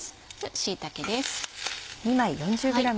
椎茸です。